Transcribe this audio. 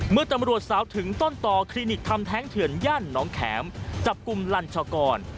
เมื่อตำรวจสาวถึงต้นต่อคลินิกทำแท้งเถื่อนย่านน้องแข็มจับกลุ่มลัญชากร